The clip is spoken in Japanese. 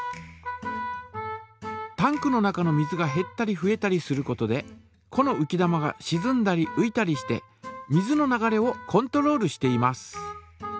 タンクの中の水がへったりふえたりすることでこのうき玉がしずんだりういたりして水の流れをコントロールしています。